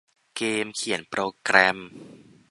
เกมเขียนโปรแกรม